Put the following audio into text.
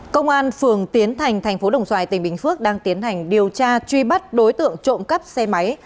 công an phường tiến thành thành phố đồng xoài tỉnh bình phước đang tiến hành điều tra truy bắt đối tượng trộm cắp xe máy